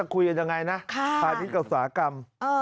พาพิธีศาสนากรรม